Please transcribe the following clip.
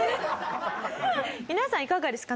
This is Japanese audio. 皆さんいかがですか？